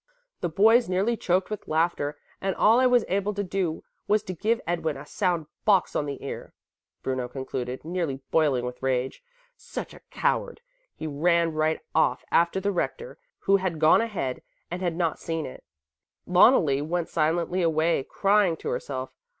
The boys nearly choked with laughter and all I was able to do was to give Edwin a sound box on the ear," Bruno concluded, nearly boiling with rage. "Such a coward! He ran right off after the Rector, who had gone ahead and had not seen it. Loneli went silently away, crying to herself.